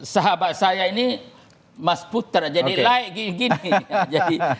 sahabat saya ini mas puter jadi like gini